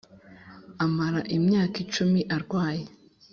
amara imyaka icumi arwaye